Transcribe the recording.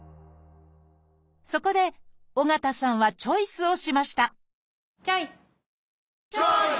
そこで緒方さんはチョイスをしましたチョイス！